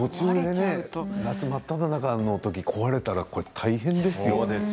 夏真っただ中に壊れたら大変ですよね。